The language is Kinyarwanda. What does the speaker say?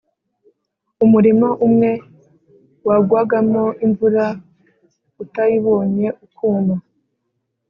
umurima umwe wagwagamo imvura, utayibonye ukuma;